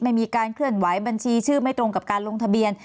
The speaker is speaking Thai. ไม่มีการเคลื่อนไหวบัญชีชื่อไม่ตรงกับการลงทะเบียน